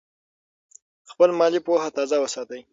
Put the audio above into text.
خپله مالي پوهه تازه وساتئ.